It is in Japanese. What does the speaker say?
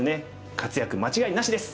活躍間違いなしです！